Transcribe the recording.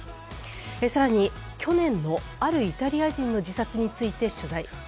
更に去年のあるイタリア人の自殺について取材。